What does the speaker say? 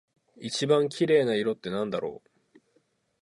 一番綺麗な色ってなんだろう？